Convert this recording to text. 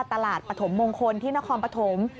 ปฐมมงคลที่นครปฐม